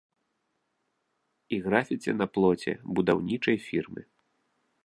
І графіці на плоце будаўнічай фірмы.